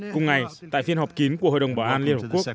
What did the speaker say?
cùng ngày tại phiên họp kín của hội đồng bảo an liên hợp quốc